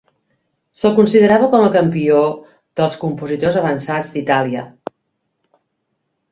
Se'l considerava com el campió dels compositors avançats d'Itàlia.